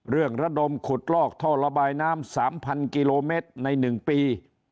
ระดมขุดลอกท่อระบายน้ำ๓๐๐กิโลเมตรใน๑ปี